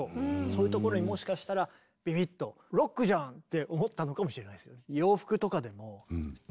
そういうところにもしかしたらビビッと「ロックじゃん！」って思ったのかもしれないですね。